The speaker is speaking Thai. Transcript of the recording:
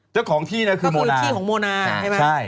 เจ้าของที่นะคือโมนา